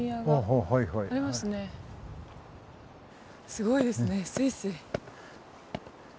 すごいですねスイスイ。